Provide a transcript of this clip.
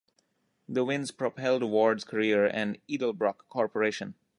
The wins propelled Ward's career and Edelbrock Corporation.